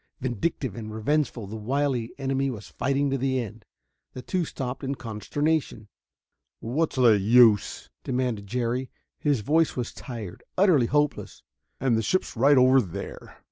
Vindictive and revengeful, the wily enemy was fighting to the end. The two stopped in consternation. "What's the use!" demanded Jerry. His voice was tired, utterly hopeless. "And the ship's right over there...."